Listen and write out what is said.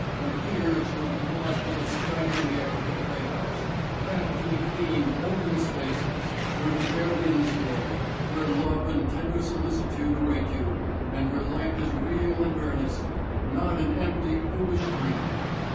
Let me urge you to fly from the stifling air of the playhouse back to the clean, open spaces where the fair winds blow, where love and tender solicitude await you and where life is real and earnest and not an empty, foolish dream.